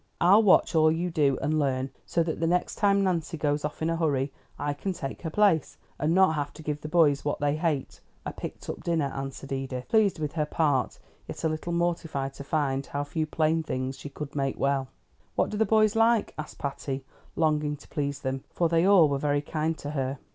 "I'll watch all you do, and learn; so that the next time Nancy goes off in a hurry, I can take her place, and not have to give the boys what they hate, a picked up dinner," answered Edith, pleased with her part, yet a little mortified to find how few plain things she could make well. "What do the boys like?" asked Patty, longing to please them, for they all were very kind to her.